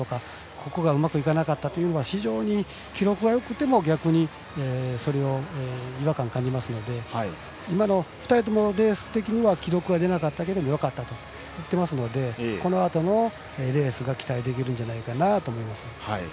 ここがうまくいかなかったというのは非常に記録がよくても逆にそれに違和感を感じるので今の２人ともレース的には記録は出なかったけどよかったと言ってますのでこのあとのレース期待できるんじゃないかなと思います。